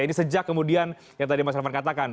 ini sejak kemudian yang tadi mas elvan katakan